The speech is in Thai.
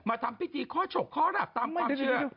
ทำพิธีข้อฉกข้อรับตามความเชื่อ